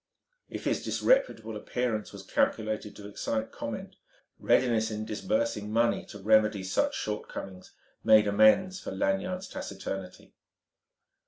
If his disreputable appearance was calculated to excite comment, readiness in disbursing money to remedy such shortcomings made amends for Lanyard's taciturnity.